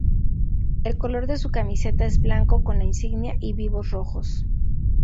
El color de su camiseta es blanco, con la insignia y vivos rojos.